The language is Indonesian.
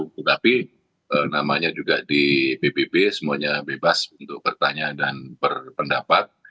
tetapi namanya juga di pbb semuanya bebas untuk bertanya dan berpendapat